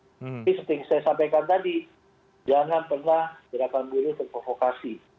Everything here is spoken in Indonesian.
tapi seperti yang saya sampaikan tadi jangan pernah gerakan buruh terprovokasi